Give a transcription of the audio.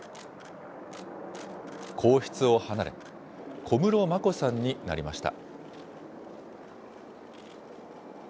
皇室を離れ、小室眞子さんになりました。